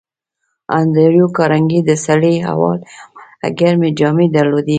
انډریو کارنګي د سړې هوا له امله ګرمې جامې درلودې